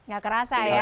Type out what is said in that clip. gak kerasa ya